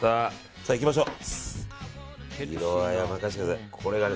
さあ、いきましょう。